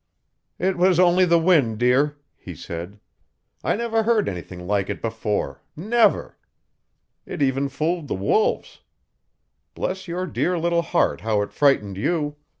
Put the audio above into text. "It was only the wind, dear," he said. "I never heard anything like it before never! It even fooled the wolves. Bless your dear little heart how it frightened you!